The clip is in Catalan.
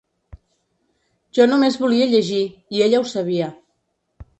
Jo només volia llegir, i ella ho sabia.